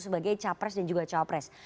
sebagai capres dan juga cawapres